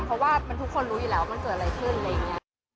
เพราะว่าทุกคนรู้อยู่แล้วมันเกิดอะไรขึ้นอะไรอย่างนี้